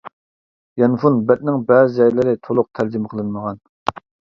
يانفون بەتنىڭ بەزى جايلىرى تولۇق تەرجىمە قىلىنمىغان.